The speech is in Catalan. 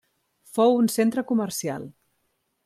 Fou un centre comercial.